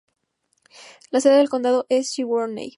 La sede del condado es Sigourney.